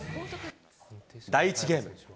第１ゲーム。